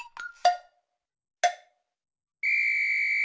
ピッ！